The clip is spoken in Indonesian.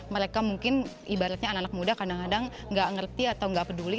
mereka mungkin ibaratnya anak anak muda kadang kadang nggak ngerti atau nggak peduli